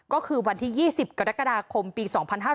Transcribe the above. ก็คือวันที่๒๐กรกฎาคมปี๒๕๕๙